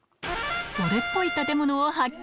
それっぽい建物を発見！